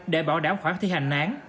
để bảo đảm khoản thi hành án